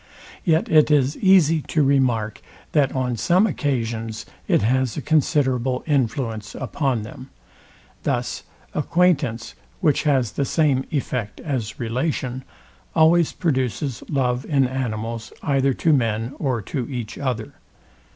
Yet it is easy to remark, that on some occasions it has a considerable influence upon them. Thus acquaintance, which has the same effect as relation, always produces love in animals either to men or to each other.